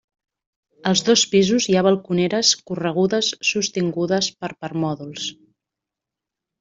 Als dos pisos hi ha balconeres corregudes sostingudes per permòdols.